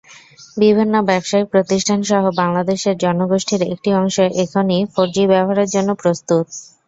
বিভিন্ন ব্যবসায়িক প্রতিষ্ঠানসহ বাংলাদেশের জনগোষ্ঠীর একটি অংশ এখনই ফোরজি ব্যবহারের জন্য প্রস্তুত।